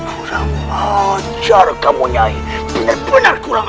kurang ajar kamu nyai benar benar kurang